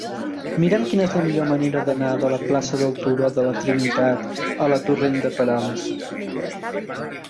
Mira'm quina és la millor manera d'anar de la plaça del Turó de la Trinitat a la torrent de Perales.